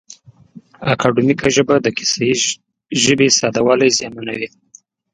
اکاډیمیکه ژبه د کیسه یي ژبې ساده والی زیانمنوي.